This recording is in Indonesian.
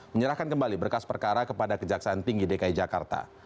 menyerahkan kembali berkas perkara kepada kejaksaan tinggi dki jakarta